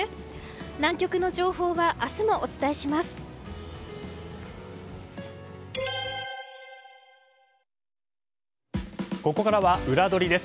南極の情報は明日もお伝えします。